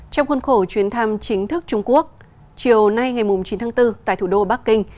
trong khuôn khổ chuyến thăm chính thức trung quốc chiều nay ngày chín tháng bốn tại thủ đô bắc kinh